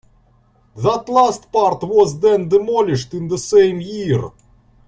That last part was then demolished in the same year.